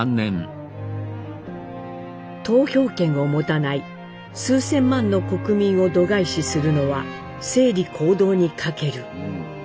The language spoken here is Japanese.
「投票権を持たない数千万の国民を度外視するのは正理公道に欠ける」。